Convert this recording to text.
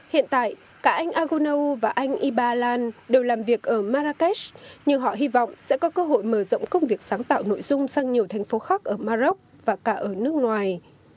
hiện tại cả anh agunau và anh ibalan đều làm việc ở marrakesh nhưng họ hy vọng sẽ có cơ hội mở rộng công việc sáng tạo nội dung sang nhiều thành phố khác ở maroc và cả ở nước ngoài